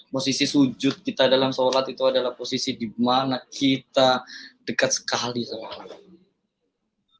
posisi sujud kita dalam sholat itu adalah posisi dimana kita dekat sekali sama allah